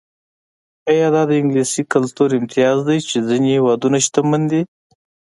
ایا دا د انګلیسي کلتور امتیاز دی چې ځینې هېوادونه شتمن دي.